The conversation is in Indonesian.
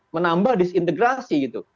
menambah disintegrasi gitu